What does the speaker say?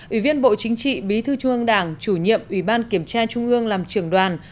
ủy viên bộ chính trị bí thư trung ương đảng chủ nhiệm ủy ban kiểm tra trung ương làm trưởng đoàn